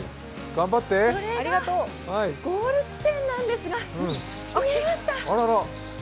それがゴール地点なんですが、見えました。